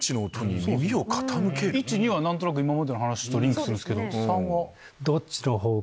１２は何となく今までの話とリンクするんすけど。